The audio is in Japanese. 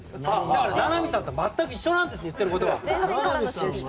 だから、名波さんと全く一緒なんです言ってることは。